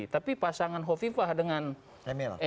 tapi pasangan hovifah dengan emil juga saling melengkapi